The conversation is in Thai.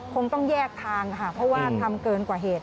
คงต้องแยกทางค่ะเพราะว่าทำเกินกว่าเหตุ